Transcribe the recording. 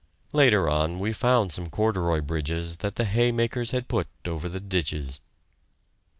Later on we found some corduroy bridges that the hay makers had put over the ditches.